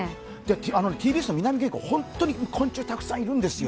ＴＢＳの南玄関、本当に昆虫、たくさんいるんですよ。